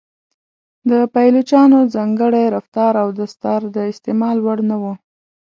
د پایلوچانو ځانګړی رفتار او دستار د استعمال وړ نه و.